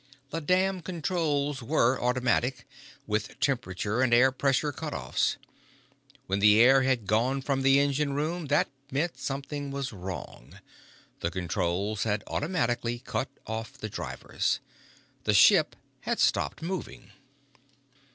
The damned controls were automatic, with temperature and air pressure cut offs. When the air had gone from the engine room, that meant something was wrong. The controls had automatically cut off the drivers. The ship had stopped moving.